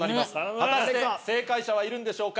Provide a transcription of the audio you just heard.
果たして正解者はいるんでしょうか？